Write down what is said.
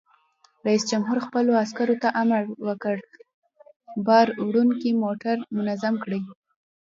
رئیس جمهور خپلو عسکرو ته امر وکړ؛ بار وړونکي موټر منظم کړئ!